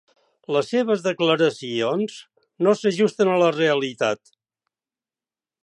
Les seves declaracions no s'ajusten a la realitat.